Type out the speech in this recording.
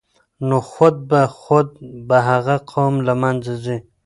نو خود به خود به هغه قوم له منځه ځي.